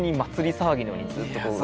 騒ぎのようにずっと。